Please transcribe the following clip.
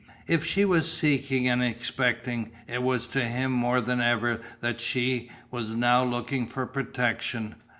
If she was seeking and expecting, it was to him more than ever that she was now looking for protection.